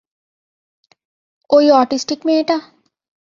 ওই অটিস্টিক মেয়েটা?